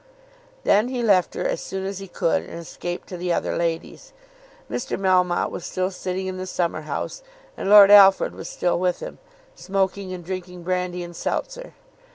Then he left her as soon as he could, and escaped to the other ladies. Mr. Melmotte was still sitting in the summer house, and Lord Alfred was still with him, smoking and drinking brandy and seltzer.